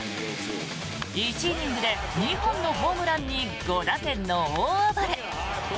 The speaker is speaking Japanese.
１イニングで２本のホームランに５打点の大暴れ。